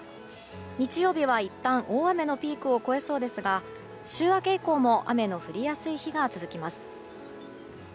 日曜日はいったん大雨のピークを越えそうですが週明け以降も雨の降りやすい日が続きます。